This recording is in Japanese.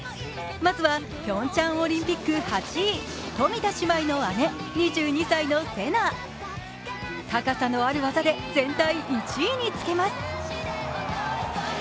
まずはピョンチャンオリンピック８位、冨田姉妹の姉、２２歳のせな、高さのある技で全体１位につけます。